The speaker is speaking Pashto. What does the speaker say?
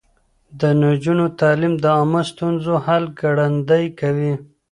د نجونو تعليم د عامه ستونزو حل ګړندی کوي.